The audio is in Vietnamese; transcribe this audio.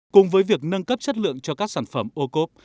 cùng với việc nâng cấp chất lượng cho các sản phẩm ô cốp